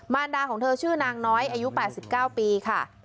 รดาของเธอชื่อนางน้อยอายุ๘๙ปีค่ะ